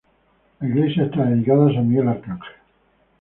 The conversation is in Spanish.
La iglesia está dedicada a San Miguel Arcángel.